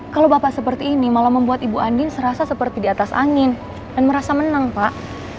kalau bapak seperti ini malah membuat ibu andin serasa seperti di atas angin dan merasa menang pak